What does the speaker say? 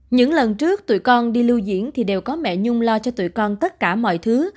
những lần trước tuổi con đi lưu diễn thì đều có mẹ nhung lo cho tụi con tất cả mọi thứ